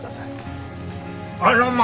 あらま！